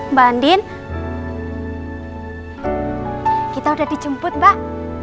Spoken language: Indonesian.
mbak andin kita udah dijemput mbak